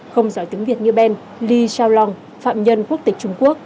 không giỏi tiếng việt như ben lee shaolong phạm nhân quốc tịch trung quốc